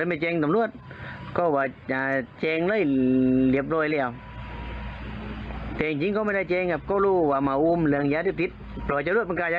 ียนเห็นด้วยแล้วเพื่อจลวกเต็มไปรู้ถึงนี่เหรอเบย